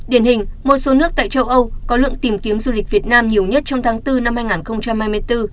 điển hình một số nước tại châu âu có lượng tìm kiếm du lịch việt nam nhiều nhất trong tháng bốn năm hai nghìn hai mươi bốn